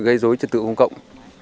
gây dối trật tự công cộng